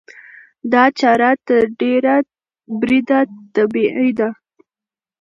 دا چاره تر ډېره بریده طبیعي ده.